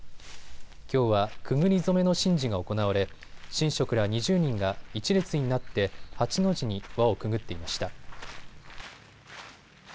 きょうは、くぐり初めの神事が行われ神職ら２０人が１列になって８の字に輪をくぐっていました。